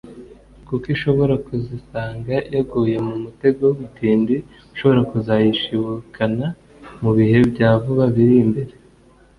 kuko ishobora kuzisanga yaguye mu mutego mutindi ushobora kuzayishibukana mu bihe bya vuba biri imbere